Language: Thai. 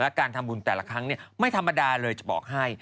การทำบุญแต่ละครั้งไม่ธรรมดาเลยจะบอกให้